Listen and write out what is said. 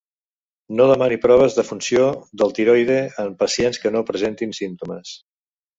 No demani proves de funció del tiroide en pacients que no presentin símptomes.